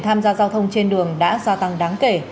tham gia giao thông trên đường đã gia tăng đáng kể